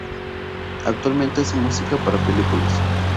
Actualmente hace música para películas.